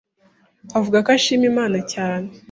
avuga ko ashima Imana cyane